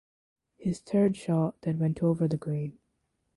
His third shot then went over the green.